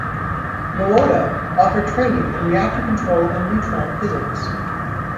Moata offered training in reactor control and neutron physics.